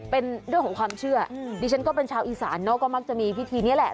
เป็นเรื่องของความเชื่อดิฉันก็เป็นชาวอีสานเนอะก็มักจะมีพิธีนี้แหละ